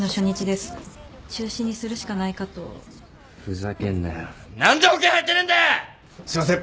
すいません。